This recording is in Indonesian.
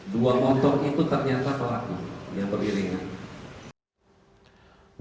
dua motor itu ternyata pelaku yang beriringan